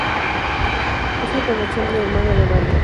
Es el bonachón del hermano de Mario.